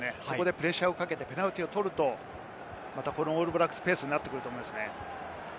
プレッシャーをかけて反則を取るとオールブラックスペースになってくると思います。